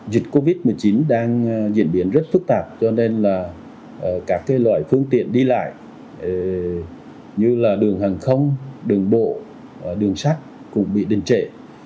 nội cảnh rất là đặc biệt dịch covid một mươi chín đang diễn biến rất phức tạp cho nên là các loại phương tiện đi lại như là đường hàng không đường bộ đường sắt cũng bị đình trễ